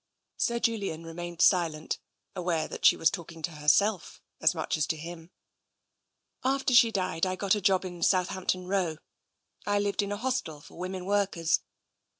Sir Julian remained silent, aware that she was talk ing to herself as much as to him. 154 TENSION After she died I got a job in Southampton Row. I lived in a hostel for women workers.